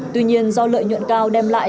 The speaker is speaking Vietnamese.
tuy nhiên do lợi nhuận cao đem lại